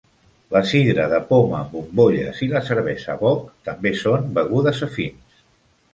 La sidra de poma amb bombolles i la cervesa Bock també són begudes afins.